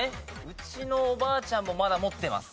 うちのおばあちゃんもまだ持ってます。